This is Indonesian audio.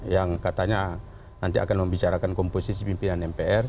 yang katanya nanti akan membicarakan komposisi pimpinan mpr